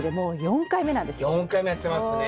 ４回目やってますね。